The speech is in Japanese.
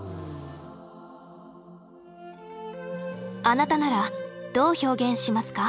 あなたならどう表現しますか？